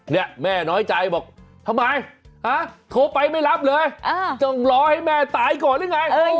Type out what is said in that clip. เนี่ยแม่น้อยใจบอกทำไมโทรไปไม่รับเลยต้องรอให้แม่ตายก่อนหรือไง